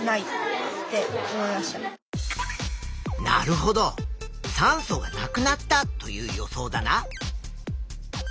なるほど酸素がなくなったという予想だな。